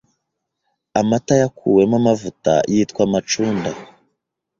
Amata yakuwemo amavuta yitwa Amacunda